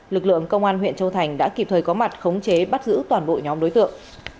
lực lượng công an huyện châu thành đã kịp thời có mặt khống chế bắt giữ toàn bộ nhóm đối tượng